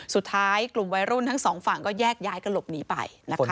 สุดท้ายกลุ่มวัยรุ่นทั้งสองฝั่งก็แยกย้ายกันหลบหนีไปนะคะ